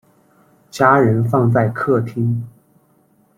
家人放在客厅